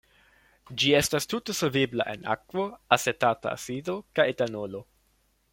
Ĝi estas tute solvebla en akvo, acetata acido kaj etanolo.